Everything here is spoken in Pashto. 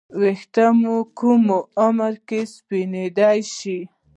ې ویښته مو کوم عمر کې په سپینیدو شي